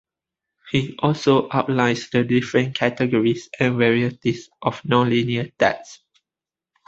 He also outlines the different categories and varieties of nonlinear texts.